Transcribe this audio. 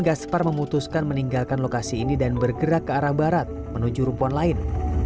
gaspar memutuskan meninggalkan lokasi ini dan bergerak ke arah barat menuju rumpon lain